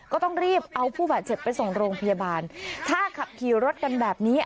ก็ต้องรีบเอาผู้บาดเจ็บไปส่งโรงพยาบาลถ้าขับขี่รถกันแบบนี้